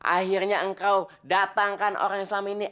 akhirnya engkau datangkan orang islam